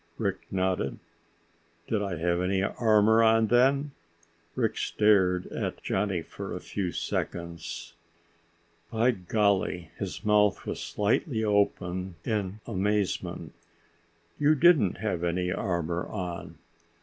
Rick nodded. "Did I have any armor on then?" Rick stared at Johnny for a few seconds. "By golly!" His mouth was slightly open in amazement. "You didn't have any armor on!"